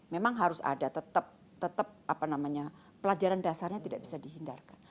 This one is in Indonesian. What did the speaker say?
memang harus ada tetap tetap apa namanya pelajaran dasarnya tidak bisa dihindarkan